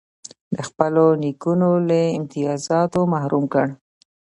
د خپلو نیکونو له امتیازاتو محروم کړ.